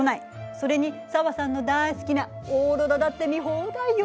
それに紗和さんの大好きなオーロラだって見放題よ。